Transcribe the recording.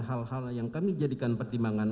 hal hal yang kami jadikan pertimbangan